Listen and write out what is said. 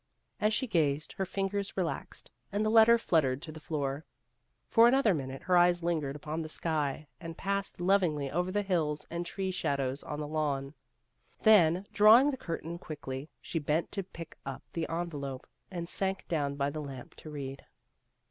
As she gazed, her fingers relaxed, and the letter fluttered to the floor. For an other minute her eyes lingered upon the sky and passed lovingly over the hills and tree shadows on the lawn. Then, drawing the curtain quickly, she bent to pick up the en velope and sank down by the lamp to read.